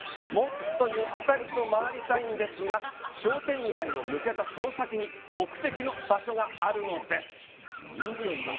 もっとゆったり回りたいんですが、商店街を抜けた先に目的の場所があるんです。